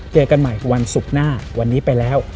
เจอกันใหม่วันศุกร์หน้าวันนี้ไปแล้ว